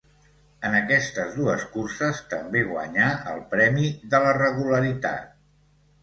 En aquestes dues curses també guanyà el premi de la regularitat.